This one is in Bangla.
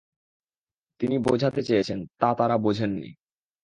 তিনি বোঝাতে চেয়েছেন তা তারা বোঝেননি।